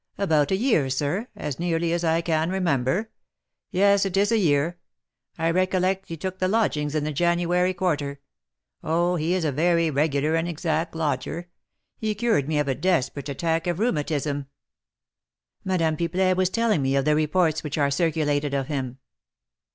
"About a year, sir, as nearly as I can remember, yes, it is a year; I recollect he took the lodgings in the January quarter. Oh, he is a very regular and exact lodger; he cured me of a desperate attack of rheumatism." "Madame Pipelet was telling me of the reports which are circulated of him."